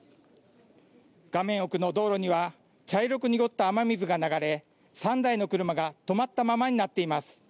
画面奥の道路には茶色く濁った雨水が流れ、３台の車が止まったままになっています。